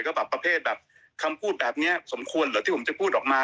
หรือก็เคปพูดพูดแบบเนี่ยสมควรหรอที่ผมจะพูดออกมา